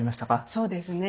そうですね。